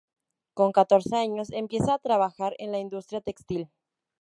Con catorce años empieza a trabajar en la industria textil.